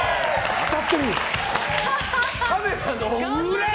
当たってる！